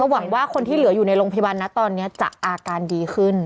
หวังว่าคนที่เหลืออยู่ในโรงพยาบาลนะตอนนี้จะอาการดีขึ้น